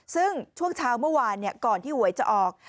ซึ่งช่วงเช้าเมื่อวานก่อนที่หวยจะออก